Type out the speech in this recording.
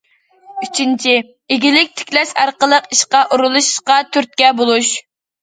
ئۈچىنچى، ئىگىلىك تىكلەش ئارقىلىق ئىشقا ئورۇنلىشىشقا تۈرتكە بولۇش.